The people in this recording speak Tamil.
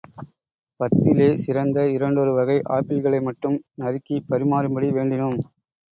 பத்திலே சிறந்த இரண்டொரு வகை ஆப்பிள்களை மட்டும் நறுக்கிப் பரிமாறும்படி வேண்டினோம்.